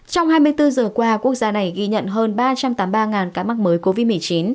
trong hai mươi bốn giờ qua quốc gia này ghi nhận hơn ba trăm tám mươi ba ca mắc mới covid một mươi chín